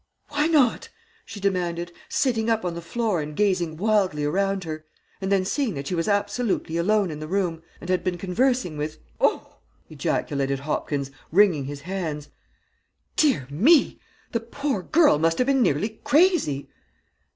"'Why not?' she demanded, sitting up on the floor and gazing wildly around her, and then seeing that she was absolutely alone in the room, and had been conversing with " "Oh!" ejaculated Hopkins, wringing his hands. "Dear me! The poor girl must have been nearly crazy."